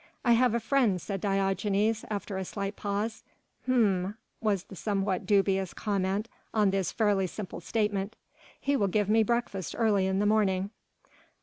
"I have a friend," said Diogenes after a slight pause. "Hm?" was the somewhat dubious comment on this fairly simple statement. "He will give me breakfast early in the morning."